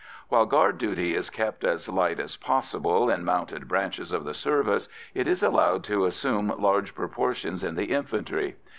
While guard duty is kept as light as possible in mounted branches of the service, it is allowed to assume large proportions in the infantry.